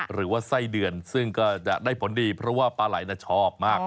หรือว่าไส้เดือนซึ่งก็จะได้ผลดีเพราะว่าปลาไหลชอบมาก